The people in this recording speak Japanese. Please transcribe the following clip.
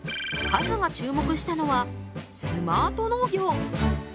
ＫＡＺＵが注目したのは「スマート農業」。